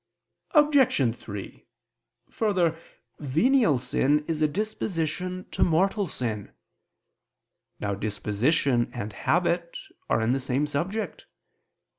Obj. 3: Further, venial sin is a disposition to mortal sin. Now disposition and habit are in the same subject.